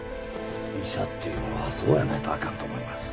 医者っていうのはそうやないとあかんと思います。